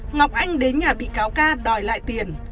ngọc anh đến nhà bị cáo ca đòi lại tiền